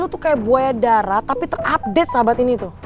lo tuh kayak buaya darah tapi terupdate sahabat ini tuh